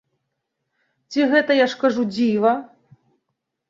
Ці гэта, я ж кажу, дзіва?!